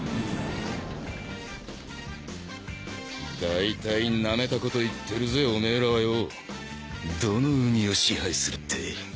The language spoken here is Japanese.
大体ナメたこと言ってるぜオメエらはよどの海を支配するって？